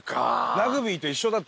ラグビーと一緒だと。